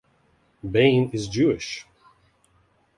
Bain is Jewish.